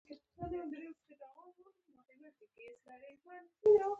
آزاد تجارت مهم دی ځکه چې کلتوري تنوع زیاتوي.